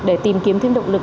để tìm kiếm thêm động lực